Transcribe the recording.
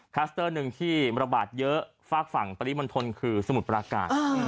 สเตอร์หนึ่งที่ระบาดเยอะฝากฝั่งปริมณฑลคือสมุทรปราการ